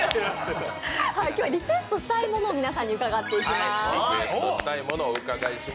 今日はリクエストしたいものを皆さんに伺っていきます。